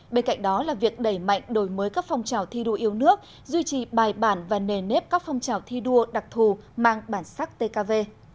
bên cạnh đó là việc đẩy mạnh đổi mới các phong trào thi đua yêu nước duy trì bài bản và nề nếp các phong trào thi đua đặc thù mang bản sắc tkv